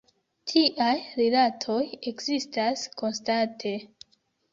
Tiaj rilatoj ekzistas konstante.